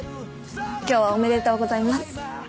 今日はおめでとうございます。